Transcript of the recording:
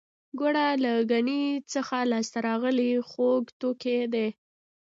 ګوړه له ګني څخه لاسته راغلی خوږ توکی دی